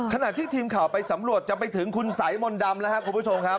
ขณะที่ทีมข่าวไปสำรวจจะไปถึงคุณสายมนต์ดำแล้วครับคุณผู้ชมครับ